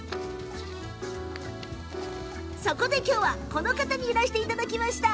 そこで、きょうはこの方にいらしていただきました。